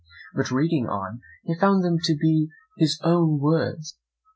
But, reading on, he found them to be his own words.